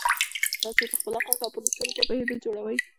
تاسې یې پخپله خوښه او پر اصولو په پوهېدو جوړوئ